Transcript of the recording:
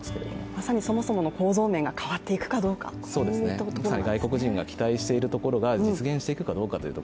まさにそもそもの構造面が変わっていくかというところですね。